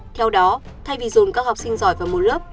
theo đó thay vì dồn các học sinh giỏi vào mùa lớp